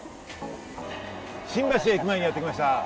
新橋駅前にやってきました。